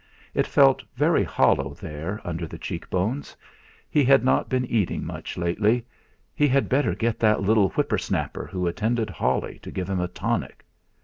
It felt very hollow there under the cheekbones. He had not been eating much lately he had better get that little whippersnapper who attended Holly to give him a tonic.